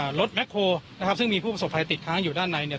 เล็กอ่ารถแมคโฟล์นะครับซึ่งมีผู้ปสบทายติดข้างอยู่ด้านในเนี้ย